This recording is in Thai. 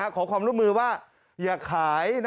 ขอความร่วมมือว่าอย่าขาย